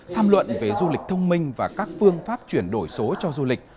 tham luận về du lịch thông minh và các phương pháp chuyển đổi số cho du lịch